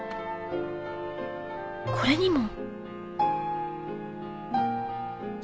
これにも。